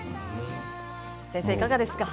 先生、いかがですか。